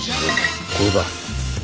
これだ。